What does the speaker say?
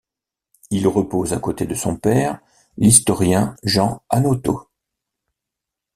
Il repose à côté de son père, l’historien Jean Hanoteau.